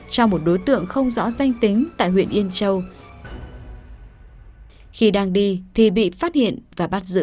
cho một đối tượng không rõ danh tính tại huyện yên châu khi đang đi thì bị phát hiện và bắt giữ